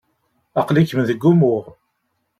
Aqli-kem deg umuɣ.